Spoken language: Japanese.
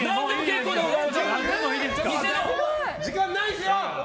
時間ないですよ！